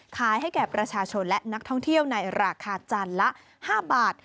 ให้แก่ประชาชนและนักท่องเที่ยวในราคาจานละ๕บาท